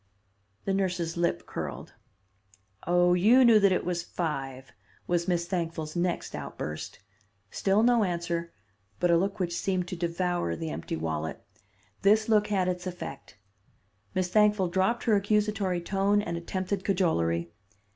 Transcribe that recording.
The nurse's lip curled. 'Oh, you knew that it was five,' was Miss Thankful's next outburst. Still no answer, but a look which seemed to devour the empty wallet. This look had its effect. Miss Thankful dropped her accusatory tone, and attempted cajolery.